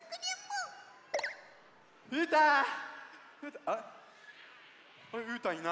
あれうーたんいない。